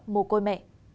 mồ côi mẹ